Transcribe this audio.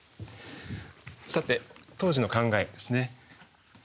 さて当時の考えですね。